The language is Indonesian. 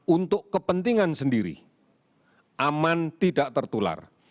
untuk kepentingan sendiri aman tidak tertular